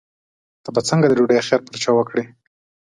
ته به څنګه د ډوډۍ خیر پر چا وکړې.